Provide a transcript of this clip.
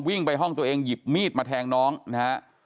วิ่งไปห้องตัวเองหยิบมีดมาแทงน้องนะฮะ